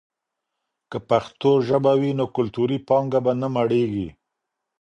که پښتو ژبه وي، نو کلتوري پانګه به نه مړېږي.